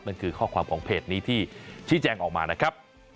นั่นคือข้อความของเพจนี้ที่ชี้แจงออกมานะครับ